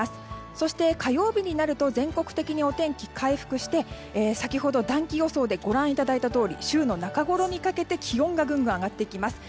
そして、火曜日になると全国的にお天気が回復して先ほど暖気予想でもご覧いただいたとおり週の中ごろにかけて気温がぐんぐん上がってきます。